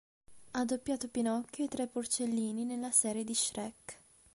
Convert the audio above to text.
Ha doppiato Pinocchio e i tre porcellini nella serie di "Shrek".